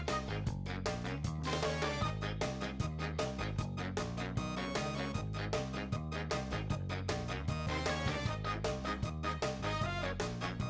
เฮ้ไปหาจำหัวแล้วไปหาจำหัวที่